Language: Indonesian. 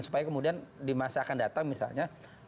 supaya kemudian di masa akan datang misalnya